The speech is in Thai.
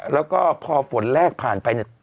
แล้วก็พอฝนแรกผ่านไปเนี่ย